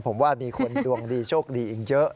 ผมว่ามีคนดวงดีโชคดีอีกเยอะ